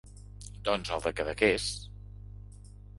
Doncs el de Cadaqués!